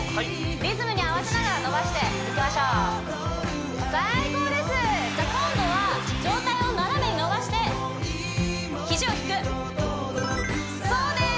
リズムに合わせながら伸ばしていきましょう最高ですじゃあ今度は上体を斜めに伸ばして肘を引くそうです